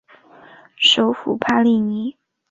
首府帕利尼。